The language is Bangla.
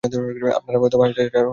আপনারা তো হাজার-হাজার হত্যা করেছেন।